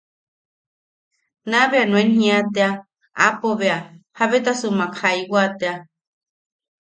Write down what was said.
Nabea nuen jia tea aapo bea jabetasumak jaiwa tea.